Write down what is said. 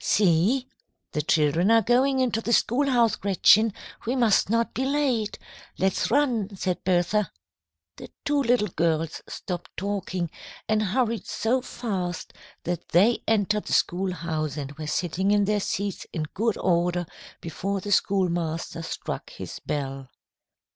'" "See! the children are going into the schoolhouse, Gretchen. We must not be late. Let's run," said Bertha. The two little girls stopped talking, and hurried so fast that they entered the schoolhouse and were sitting in their seats in good order before the schoolmaster struck his bell.